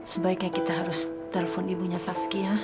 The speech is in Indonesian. sebaiknya kita harus telepon ibunya saskiah